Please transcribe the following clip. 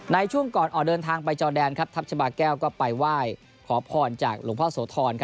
ในช่วงก่อนออกเดินทางไปจอแดนทัพชาบาแก้วก็ไปไหว้ขอพรจากหลวงพ่อโสธร